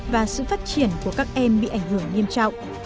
và sự phát triển của các em bị ảnh hưởng nghiêm trọng